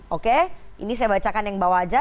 oke ini saya bacakan yang bawah aja